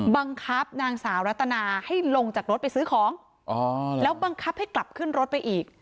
บังคับนางสาวรัตนาให้ลงจากรถไปซื้อของแล้วบังคับให้กลับขึ้นรถไปอีก